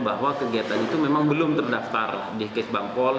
bahwa kegiatan itu memang belum terdaftar di kes bangpol